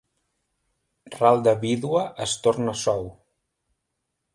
Ral de vídua es torna sou.